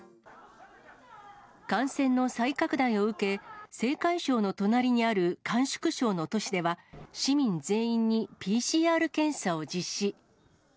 感染の再拡大を受け、青海省の隣にある甘粛省の都市では、市民全員にＰＣＲ検査を実施。